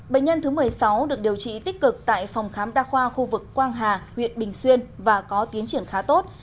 bệnh nhân thứ một mươi sáu được điều trị tích cực tại phòng khám đa khoa khu vực quang hà huyện bình xuyên và có tiến triển khá tốt